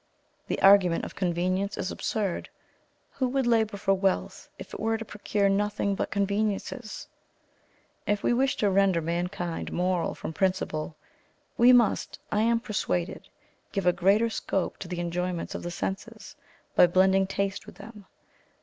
The argument of convenience is absurd. Who would labour for wealth, if it were to procure nothing but conveniences. If we wish to render mankind moral from principle, we must, I am persuaded, give a greater scope to the enjoyments of the senses by blending taste with them.